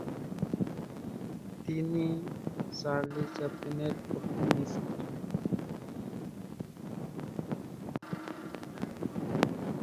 তিনি চার্লি চ্যাপলিনের প্রথম স্ত্রী।